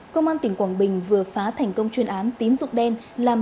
công an tỉnh quảng bình vừa phá thành công chuyên án tín dụng đen